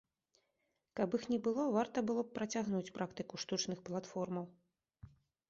Каб іх не было, варта было б працягнуць практыку штучных платформаў.